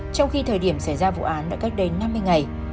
trong khi thời điểm xảy ra vụ án đã cách đây năm mươi ngày